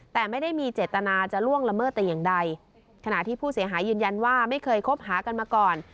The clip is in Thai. แต่ไม่ได้มีเจตนาจะล่วงละเมิดแต่อย่างใดขณะที่ผู้เสียหายยืนยันว่าไม่เคยคบหากันมาก่อน